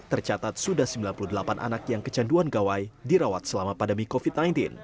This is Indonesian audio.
tercatat sudah sembilan puluh delapan anak yang kecanduan gawai dirawat selama pandemi covid sembilan belas